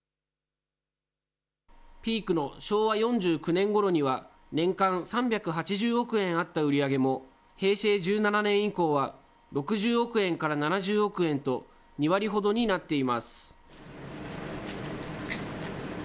ピークの昭和４９年ごろには、年間３８０億円あった売り上げも、平成１７年以降は６０億円から７０億円と、２割ほどになっています。